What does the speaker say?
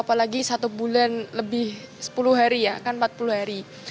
apalagi satu bulan lebih sepuluh hari ya kan empat puluh hari